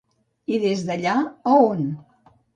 I des d'allà a on?